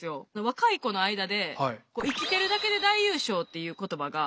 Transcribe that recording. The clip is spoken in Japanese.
若い子の間で「生きてるだけで大優勝」っていう言葉が。